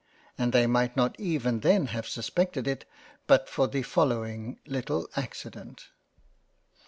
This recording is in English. And they might not even then have suspected it, but for the following little Accident.